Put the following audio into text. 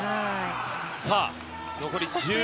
さあ、残り１２秒。